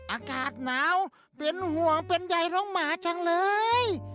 อากาศหนาวเป็นห่วงเป็นใยน้องหมาจังเลย